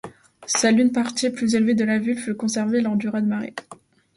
Seule une partie plus élevée de la ville fut conservée lors du raz-de-marée.